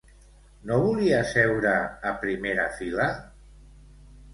No volia seure a primera fila?